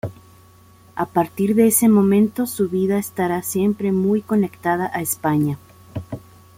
A partir de ese momento, su vida estará siempre muy conectada a España.